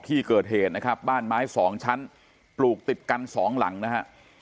ที่เกิดเหตุนะครับบ้านไม้สองชั้นปลูกติดกันสองหลังนะฮะ